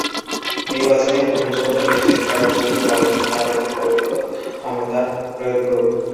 নির্বাচনের গ্রহণযোগ্যতা নিশ্চিত করার জন্যই কমিশন তাদের ওপর অর্পিত ক্ষমতা প্রয়োগ করুক।